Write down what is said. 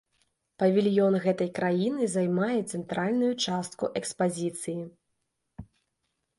Павільён гэтай краіны займае цэнтральную частку экспазіцыі.